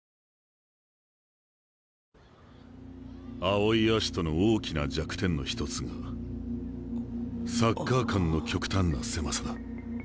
青井葦人の大きな弱点の一つがサッカー観の極端な狭さだ。